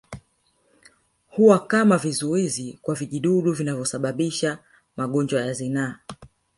Huwa kama kizuizi kwa vijidudu vinavyosababisha magonjwa ya zinaa